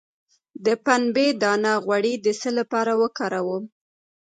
د پنبې دانه غوړي د څه لپاره وکاروم؟